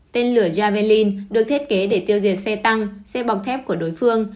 tên lửa jaberlin được thiết kế để tiêu diệt xe tăng xe bọc thép của đối phương